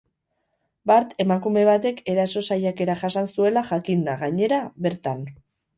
Bart emakume batek eraso saiakera jasan zuela jakin da, gainera, bertan.